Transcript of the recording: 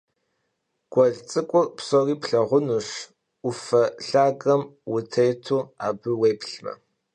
Guel ts'ık'ur psori plhağunuş 'Ufe lhagem vutêtu abı vuêplhme.